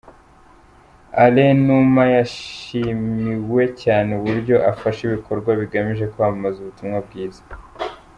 Alain Numa yashimiwe cyane uburyo afasha ibikorwa bigamije kwamamaza ubutumwa bwiza.